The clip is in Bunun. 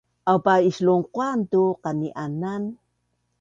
Aupa islungquan tu qani’anan